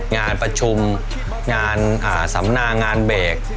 งานประชุมงานสำนางานเบรก